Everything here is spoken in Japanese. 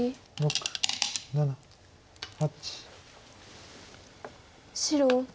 ６７８。